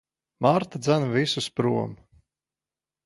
Marta dzen visus prom.